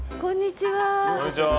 こんにちは。